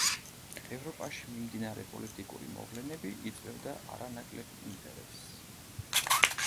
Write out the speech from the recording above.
ევროპაში მიმდინარე პოლიტიკური მოვლენები იწვევდა არანაკლებ ინტერესს.